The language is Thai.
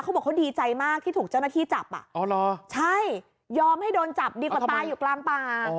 เขาบอกเขาดีใจมากที่ถูกเจ้าหน้าที่จับใช่ยอมให้โดนจับดีกว่าตายอยู่กลางป่า